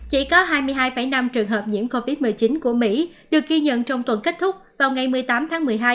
chỉ có hai mươi hai năm trường hợp nhiễm covid một mươi chín của mỹ được ghi nhận trong tuần kết thúc vào ngày một mươi tám tháng một mươi hai